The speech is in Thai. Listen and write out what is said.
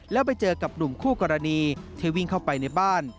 แล้วไปเจอกับหนุ่มคู่กรณีที่วิ่งเข้าไปในบ้าน